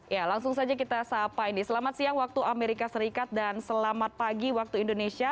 ya langsung saja kita sapa ini selamat siang waktu amerika serikat dan selamat pagi waktu indonesia